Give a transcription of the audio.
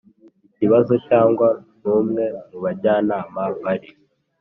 Ikibazo cyangwa n umwe mu bajyanama bari